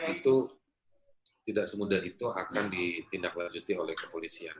itu tidak semudah itu akan ditindak lanjuti oleh kepolisian